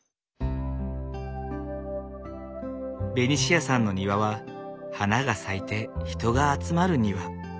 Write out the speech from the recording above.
ベニシアさんの庭は花が咲いて人が集まる庭。